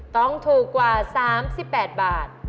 ต้องถูกกว่า๓๘บาท